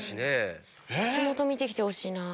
口元見てきてほしいな。